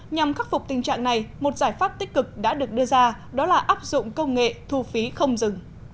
nhằm khắc phục tình trạng này một giải pháp tích cực đã được đưa ra đó là áp dụng công nghệ thu phí không dừng